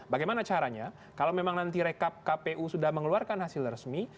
bagaimana caranya kalau memang nanti rekap kpu sudah mengeluarkan hasil resmi